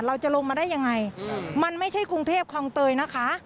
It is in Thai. เราจะลงมาได้ยังไงมันไม่ใช่กรุงเทพคลองเตยนะคะ